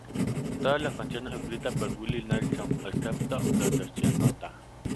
Todas las canciones escritas por Willie Nelson excepto donde se anota.